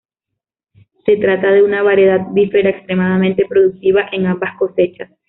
Se trata de una variedad bífera extremadamente productiva en ambas cosechas.